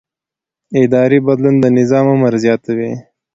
اداري بدلون د نظام عمر زیاتوي